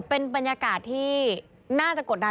เป็นบรรยากาศที่น่าจะกดดัน